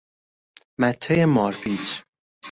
مته مارپیچ